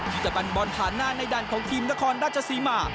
ที่จะปันบอลภาณาในดันของทีมนครราชสีมา